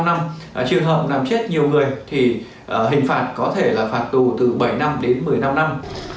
năm trường hợp làm chết nhiều người thì hình phạt có thể là phạt tù từ bảy năm đến một mươi năm năm